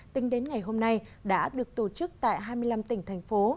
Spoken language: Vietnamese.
tính đến ngày hôm nay đã được tổ chức tại hai mươi năm tỉnh thành phố